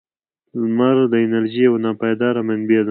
• لمر د انرژۍ یو ناپایدار منبع دی.